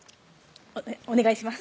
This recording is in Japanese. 「お願いします」